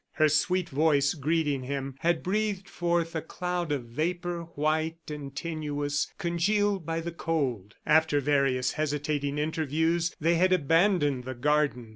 Her sweet voice, greeting him, had breathed forth a cloud of vapor, white and tenuous, congealed by the cold. After various hesitating interviews, they had abandoned the garden.